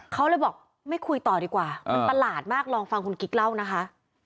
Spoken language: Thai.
เขาเลยบอกไม่คุยต่อดีกว่ามันประหลาดมากลองฟังคุณกิ๊กเล่านะคะ